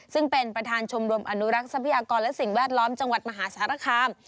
ซึ่งเป็นประธานชมรมอนุรักษ์ทรัพยากรและสิ่งแวดล้อมจังหวัดมหาสารคาม